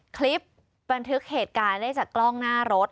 คลิปบันทึกเหตุการณ์ได้จากกล้องหน้ารถ